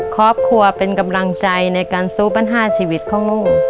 ครอบครัวเป็นกำลังใจในการสู้ปัญหาชีวิตของลูก